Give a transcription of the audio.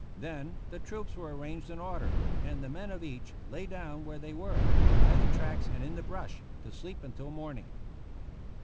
Then the troops were arranged in order, and the men of each lay down where they were, by the tracks and in the brush, to sleep until morning.